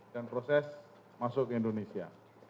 dan proses masuk ke indonesia